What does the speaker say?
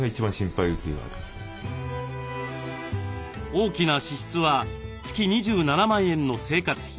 大きな支出は月２７万円の生活費。